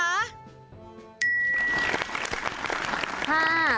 ช่วยดีกว่า